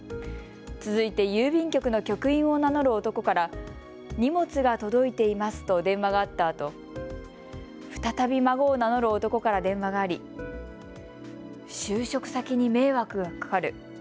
続いて郵便局の局員を名乗る男から荷物が届いていますと電話があったあと再び孫を名乗る男から電話があり就職先に迷惑がかかる。